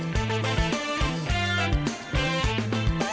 ขอบคุณเลยค่ะ